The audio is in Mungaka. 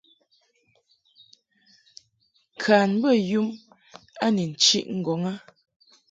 Kan bə yum a ni nchiʼ ŋgɔŋ a.